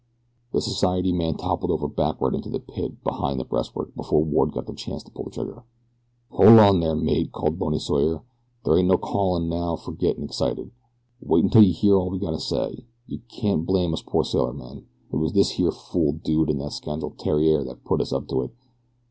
The society man toppled over backward into the pit behind the breastwork before Ward had a chance to pull the trigger. "Hol' on there mate!" cried Bony Sawyer; "there ain't no call now fer gettin' excited. Wait until you hear all we gotta say. You can't blame us pore sailormen. It was this here fool dude and that scoundrel Theriere that put us up to it.